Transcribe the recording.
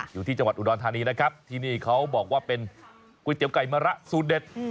อยู่ที่จังหวัดอุดรธานีนะครับที่นี่เขาบอกว่าเป็นก๋วยเตี๋ยวไก่มะระสูตรเด็ด